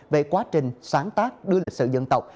về quá trình sáng tác đưa lịch sử dân tộc